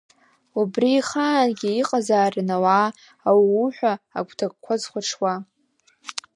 Убри ихаангьы иҟазаарын ауаа, ауу-ууҳәа агәҭакқәа зхәаҽуа…